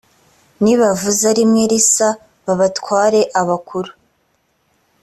nibavuza rimwe risa ba batware abakuru